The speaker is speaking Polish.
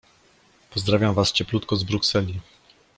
Pozdrawiam was cieplutko z Brukseli.